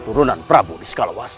turunan prabu di skala wasto